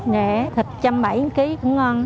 nhẹ thịt một trăm bảy mươi ký cũng ngon